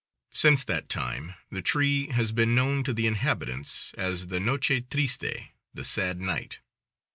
Since that time the tree has been known to the inhabitants as the Noche Triste (the sad night).